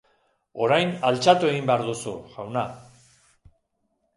Orain altxatu egin behar duzu, jauna.